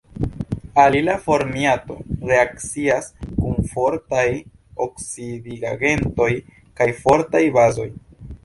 Alila formiato reakcias kun fortaj oksidigagentoj kaj fortaj bazoj.